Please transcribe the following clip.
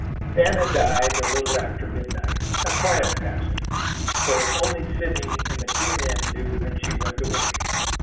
Anna died a little after midnight, a quiet passing, so that only Sidney and the two men knew when she went away.